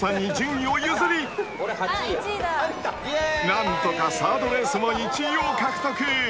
［何とか３ｒｄレースも１位を獲得！］